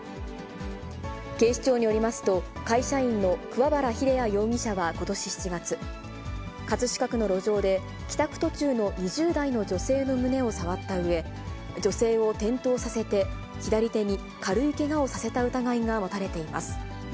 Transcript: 警視庁によりますと、会社員の桑原秀弥容疑者はことし７月、葛飾区の路上で、帰宅途中の２０代の女性の胸を触ったうえ、女性を転倒させて、左手に軽いけがをさせた疑いが持たれています。